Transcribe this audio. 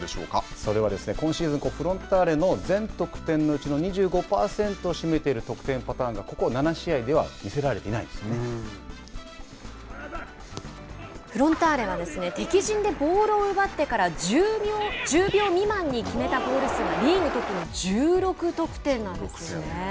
それはですね今シーズン、フロンターレの全得点のうちの２５％を占めている得点パターンがここ７試合では見せられていないフロンターレは敵陣でボールを奪ってから１０秒未満に決めたゴール数が１６得点なんですよね。